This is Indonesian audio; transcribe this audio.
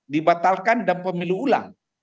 dibatalkan dan pemilu ulang